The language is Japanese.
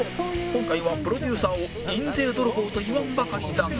今回はプロデューサーを印税泥棒と言わんばかりだが